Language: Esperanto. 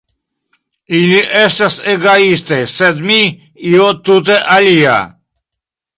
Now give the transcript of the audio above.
Ili estas egoistoj, sed mi -- io tute alia!